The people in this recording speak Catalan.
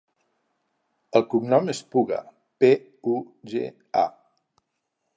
El cognom és Puga: pe, u, ge, a.